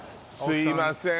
すいません